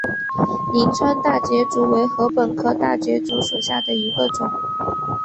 灵川大节竹为禾本科大节竹属下的一个种。